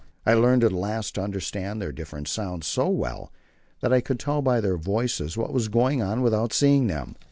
I learned at last to understand their different sounds so well that I could tell by their voices what was going on without seeing them.